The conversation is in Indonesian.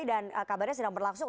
dan kabarnya sedang berlangsung